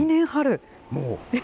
もう。